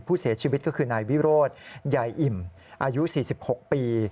ผู้เสียชีวิตก็คือนายวิโรธยายอิ่มอายุ๔๖ปี